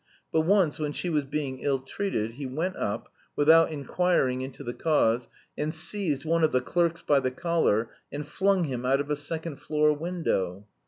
But once, when she was being ill treated, he went up (without inquiring into the cause) and seized one of the clerks by the collar and flung him out of a second floor window.